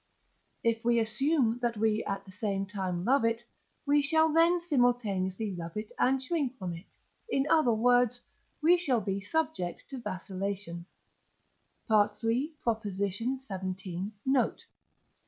If we assume that we at the same time love it, we shall then simultaneously love it and shrink from it; in other words, we shall be subject to vacillation (III. xvii. note).